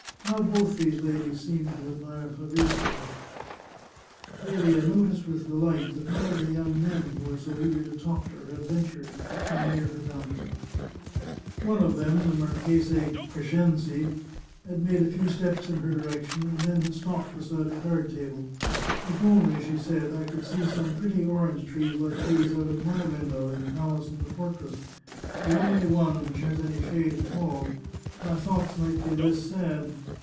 How both those ladies seemed to admire Fabrizio !" Clelia noticed with delight that none of the young men who were so eager to talk to her had ventured to come near her balcony. One of them, the Marchese Crescenzi, had 286 The Chartreuse of Parma made a few steps in her direction, and then had stopped beside a card table. " If only," she said, " I could see some pretty orange trees like these out of my window in the palace in the fortress — the only one which has any shade at all — my thoughts might be less sad.